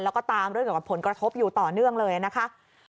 แล้วก็ตามเรื่องเกี่ยวกับผลกระทบอยู่ต่อเนื่องเลยนะคะ